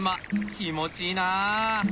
気持ちいいな！